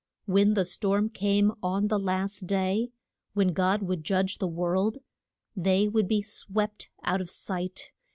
When the storm came on the last day, when God would judge the world, they would be swept out of sight.